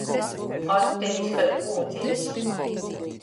Actenis kai pūdzenis.